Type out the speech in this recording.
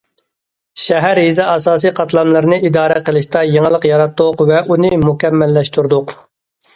شەھەر- يېزا ئاساسىي قاتلاملىرىنى ئىدارە قىلىشتا يېڭىلىق ياراتتۇق ۋە ئۇنى مۇكەممەللەشتۈردۇق.